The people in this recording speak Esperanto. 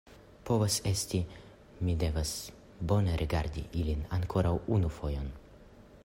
Povas esti; mi devas bone rigardi ilin ankoraŭ unu fojon.